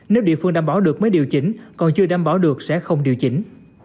nếu địa phương đảm bảo được mới điều chỉnh còn chưa đảm bảo được sẽ không điều chỉnh